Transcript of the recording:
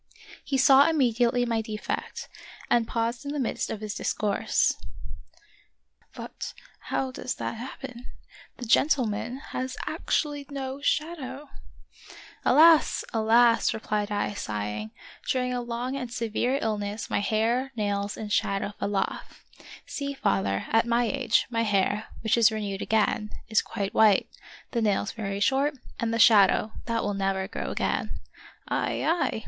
He saw immediately my defect, and paused in the midst of his discourse. of Peter SchlemihL 97 " But how does that happen? the gentleman has actually no shadow !"" Alas ! alas !" replied I, sighing, "during a long and severe illness my hair, nails, and shadow fell off. See, father, at my age, my hair, which is re newed again, is quite white, the nails very short, and the shadow — that will never grow again." " Ay ! ay